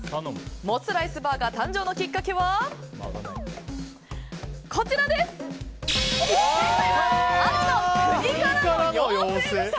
モスライスバーガー誕生のきっかけは、正解は青の国からの要請でした。